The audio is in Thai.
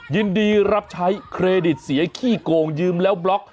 ยินดีรับใช้เครดิตเสียขี้โกงยืมแล้วบล็อก